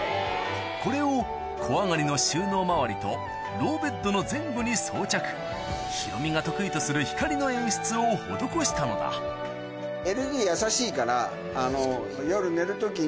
これを小上がりの収納まわりとローベッドの全部に装着ヒロミが得意とする光の演出を施したのだＬＥＤ優しいから。